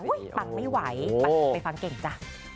อุ้ยปังไม่ไหวปังไปฟังเก่งจ้ะ